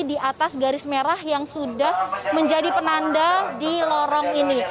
di atas garis merah yang sudah menjadi penanda di lorong ini